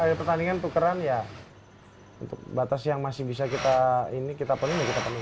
iya air pertandingan tukeran ya untuk batas yang masih bisa kita pening kita pening